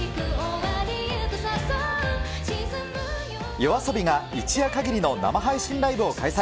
ＹＯＡＳＯＢＩが一夜限りの生配信ライブを開催。